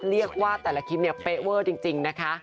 เรียกว่าแต่ละคลิปเนี่ยเป๊ะเวอร์จริงนะคะ